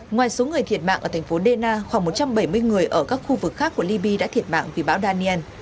ngoài số người thiệt mạng ở thành phố dena khoảng một trăm bảy mươi người ở các khu vực khác của liby đã thiệt mạng vì bão daniel